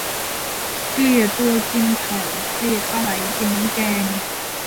เกลียดตัวกินไข่ เกลียดปลาไหลกินน้ำแกง